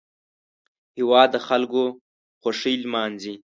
هېواد د خلکو خوښۍ لمانځي